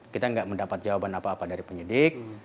kita tidak mendapat jawaban apa apa dari penyidik